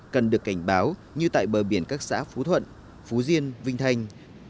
cần được cảnh báo như tại bờ biển các xã phú thuận phú diên vinh thanh